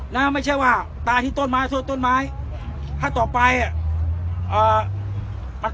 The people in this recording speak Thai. นะไม่ใช่ว่าตายที่ต้นไม้ส่วนต้นไม้ถ้าต่อไปอ่ะเอ่อ